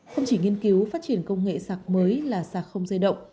không chỉ nghiên cứu phát triển công nghệ sạc mới là sạc không dây động